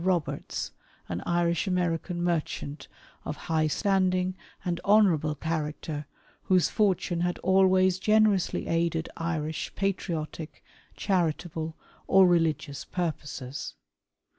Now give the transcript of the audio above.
Roberts, an Irish American merchant of " high standing and honourable character, whose fortune had " always generously aided Irish patriotic, charitable, or religious " purposes.